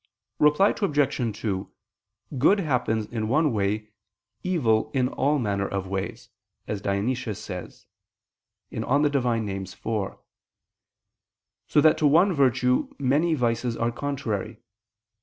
Reply Obj. 2: "Good happens in one way, evil in all manner of ways," as Dionysius says (Div. Nom. iv): so that to one virtue many vices are contrary.